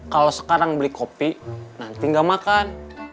kalau sekarang beli kopi nanti nggak makan